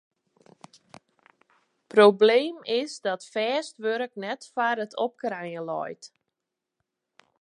Probleem is dat fêst wurk net foar it opkrijen leit.